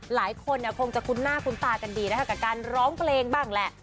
หลายคนคงจะคุ้นหน้าคุ้นตากันดีนะคะกับการร้องเพลงบ้างแหละ